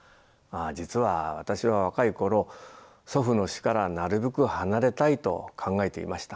実は私は若い頃祖父の詩からなるべく離れたいと考えていました。